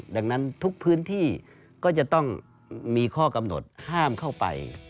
ดังนั้นทุกพื้นที่ก็จะต้องมีข้อกำหนดห้ามเข้าไป